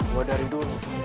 gue dari dulu